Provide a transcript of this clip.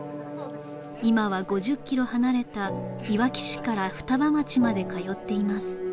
今は５０キロ離れたいわき市から双葉町まで通っています